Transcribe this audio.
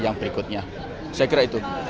yang berikutnya saya kira itu